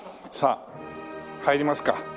さあ入りますか。